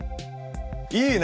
いいね！